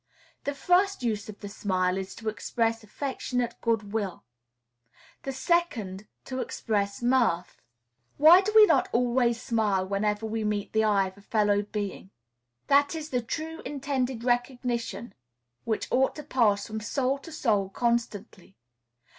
The first use of the smile is to express affectionate good will; the second, to express mirth. Why do we not always smile whenever we meet the eye of a fellow being? That is the true, intended recognition which ought to pass from soul to soul constantly.